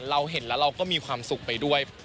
เราเห็นแล้วเราก็มีความสุขไปด้วย